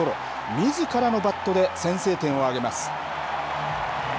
みずからのバットで先制点を挙げます。